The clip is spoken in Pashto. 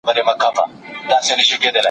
ړوند سړی باید له ږیري سره ډوډۍ او مڼه واخلي.